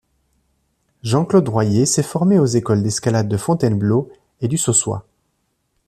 Jean-Claude Droyer s'est formé aux écoles d'escalade de Fontainebleau et du Saussois.